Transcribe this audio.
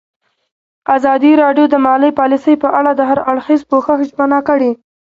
ازادي راډیو د مالي پالیسي په اړه د هر اړخیز پوښښ ژمنه کړې.